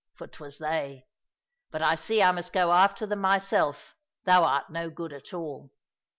for 'twas they. But I see I must go after them myself, thou art no good at all."